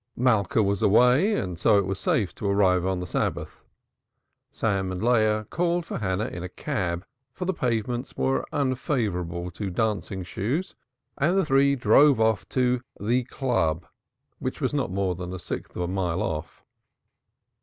Malka was away and so it was safe to arrive on the Sabbath. Sam and Leah called for Hannah in a cab, for the pavements were unfavorable to dancing shoes, and the three drove to the "Club," which was not a sixth of a mile off.